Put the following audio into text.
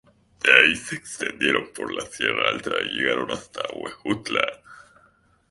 De ahí, se extendieron por la Sierra Alta y llegaron hasta Huejutla.